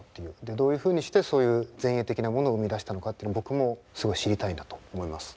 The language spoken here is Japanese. どういうふうにしてそういう前衛的なものを生み出したのかっていうのを僕もすごい知りたいなと思います。